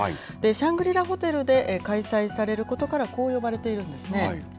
シャングリラホテルで開催されることから、こう呼ばれているんですね。